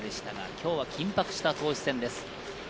今日は緊迫した投手戦です。